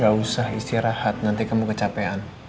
gak usah istirahat nanti kamu kecapean